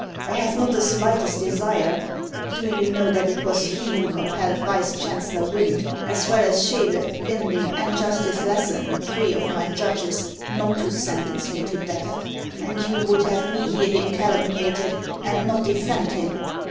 I have not the slightest desire —" Do you know that it was he who compelled Vice chancellor Wind, as well as Scheele, Vinding, and Justice Lasson, three of my judges, not to sentence me to death ? And you would have me hear him calumniated, and not defend him